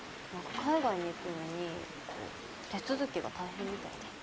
海外に行くのにこう手続きが大変みたいで。